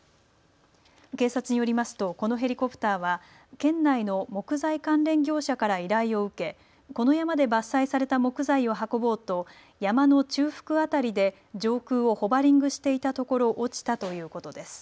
警察によりますとこのヘリコプターは県内の木材関連業者から依頼を受けこの山で伐採された木材を運ぼうと山の中腹辺りで上空をホバリングしていたところ落ちたということです。